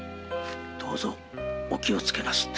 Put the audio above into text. どうぞお気を付けなすって。